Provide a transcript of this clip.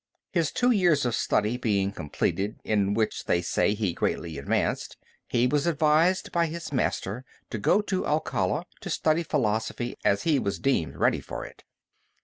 His two years of study being completed, in which, they say, he greatly advanced, he was advised by his master to go to Alcala to study philosophy, as he was deemed ready for it.